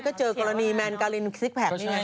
ก็เจอกรณีแมนการินซิกแพคนี่ไง